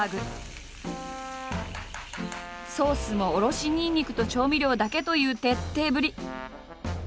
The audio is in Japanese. ソースもおろしにんにくと調味料だけという徹底ぶり。